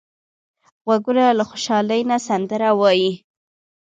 غوږونه له خوشحالۍ نه سندره وايي